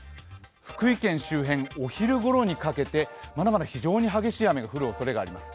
福井県周辺、お昼ごろにかけてまだまだ非常に激しい雨が降るおそれがあります。